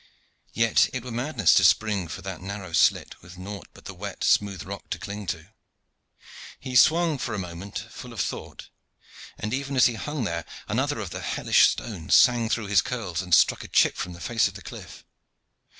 Yet it were madness to spring for that narrow slit with nought but the wet, smooth rock to cling to. He swung for a moment, full of thought, and even as he hung there another of the hellish stones sang through his curls, and struck a chip from the face of the cliff.